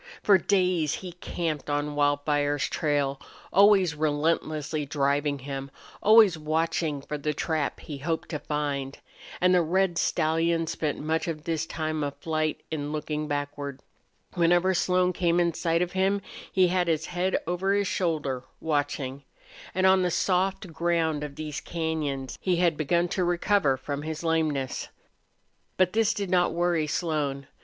For days he camped on Wildfire's trail, always relentlessly driving him, always watching for the trap he hoped to find. And the red stallion spent much of this time of flight in looking backward. Whenever Slone came in sight of him he had his head over his shoulder, watching. And on the soft ground of these cañons he had begun to recover from his lameness. But this did not worry Slone.